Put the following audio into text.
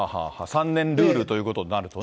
３年ルールということになるとね。